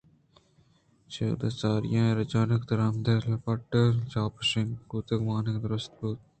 چدءُساری آئی ءِ رجانک درآمد(البرٹ کامیو ءِ) چھاپ ءُشنگ بوتگ کہ وانوکاں دوست بوتگ